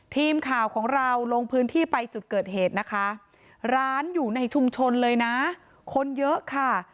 ทีมข่าวของเราลงพื้นที่ไปจุดเกิดเหตุนะคะร้านอยู่ในชุมชนเลยนะคนเยอะค่ะ